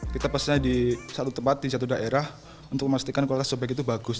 kita pesannya di satu tempat di satu daerah untuk memastikan kualitas sobek itu bagus